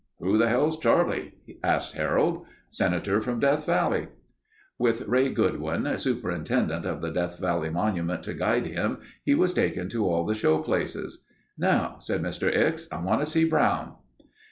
"Who the hell's Charlie?" asked Harold. "Senator from Death Valley...." With Ray Goodwin, Superintendent of the Death Valley Monument to guide him, he was taken to all the show places. "Now," said Mr. Ickes, "I want to see Brown."